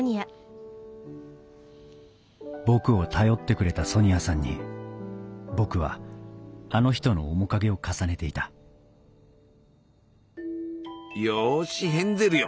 僕を頼ってくれたソニアさんに僕はあの人の面影を重ねていたよしヘンゼルよ。